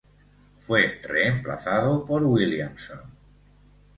Fue reemplazado por Williamson.